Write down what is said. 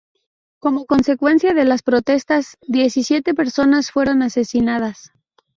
Como consecuencia de las protestas diecisiete personas fueron asesinadas.